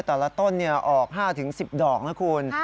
แต่ละต้นออก๕๑๐ดอกนะคุณ